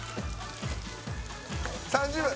３０秒。